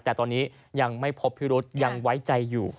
แต่ตอนนี้ยังไม่พบพิรุษยังไว้ใจอยู่